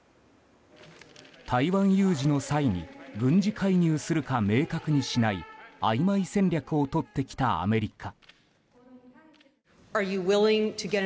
台湾有事の際に軍事介入するか明確にしない、あいまい戦略をとってきたアメリカ。